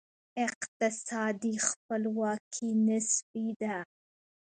اقتصادي خپلواکي نسبي ده.